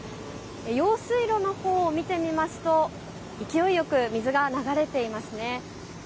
用水路のほうを見てみますと勢いよく水が流れていますね。